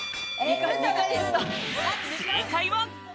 正解は。